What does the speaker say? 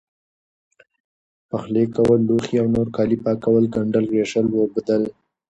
پخلی کول لوښي او نور کالي پاکول، ګنډل، رېشل، ووبدل،